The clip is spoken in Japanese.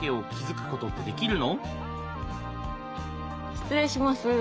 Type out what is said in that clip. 失礼します。